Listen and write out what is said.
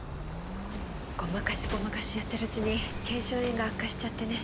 ごまかしごまかしやってるうちに腱鞘炎が悪化しちゃってね。